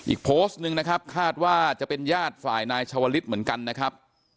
อีกโพสต์หนึ่งนะครับคาดว่าจะเป็นญาติฝ่ายนายชาวลิศเหมือนกันนะครับ